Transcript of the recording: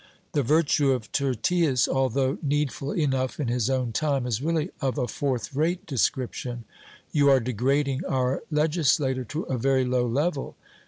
The virtue of Tyrtaeus, although needful enough in his own time, is really of a fourth rate description. 'You are degrading our legislator to a very low level.'